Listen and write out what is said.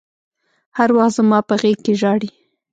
هر وخت زما په غېږ کښې ژاړي.